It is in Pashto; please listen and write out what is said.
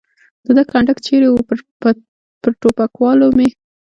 د ده کنډک چېرې و؟ پر ټوپکوالو مې.